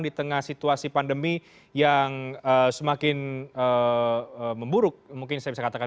di tengah situasi pandemi yang semakin memburuk mungkin saya bisa katakan